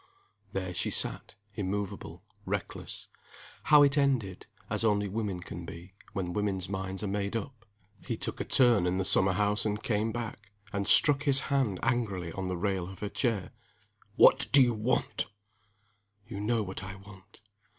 there she sat, immovable, reckless how it ended as only women can be, when women's minds are made up. He took a turn in the summer house and came back, and struck his hand angrily on the rail of her chair. "What do you want?" "You know what I want."